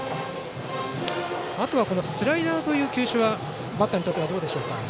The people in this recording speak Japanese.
あとはスライダーという球種はバッターにとってどうでしょうか。